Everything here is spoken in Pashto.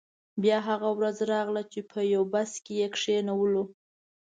بیا هغه ورځ راغله چې په یو بس کې یې کینولو.